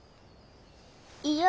いや！